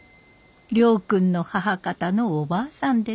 亮君の母方のおばあさんです。